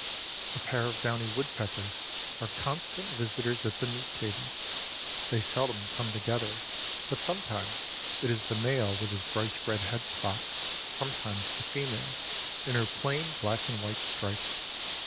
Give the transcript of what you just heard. A pair of downy woodpeckers are constant visitors at the meat table. They seldom come together, but sometimes it is the male with his bright red head spot, sometimes the female, in her plain black and white stripe.